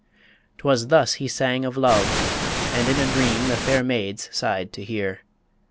'Twas thus he sang of love, and in a dream The fair maids sighed to hear.